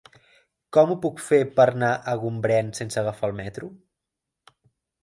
Com ho puc fer per anar a Gombrèn sense agafar el metro?